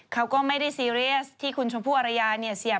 เขาก็ไม่ได้เซิร์ย์ที่คุณชมพู่อรยาเนี่ย